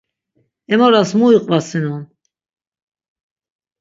Em oras mu iqvasinon.